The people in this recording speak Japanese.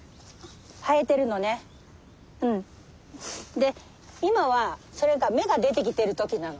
で今はそれが芽が出てきてる時なの。